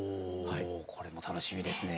これも楽しみですね。